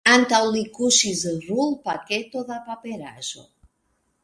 Antaŭ li kuŝis rulpaketo da paperaĵo.